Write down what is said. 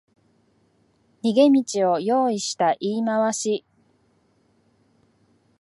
逃げ道を用意した言い回し